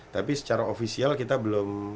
tapi secara ofisial kita belum